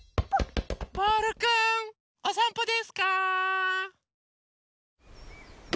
ボールくんおさんぽですか？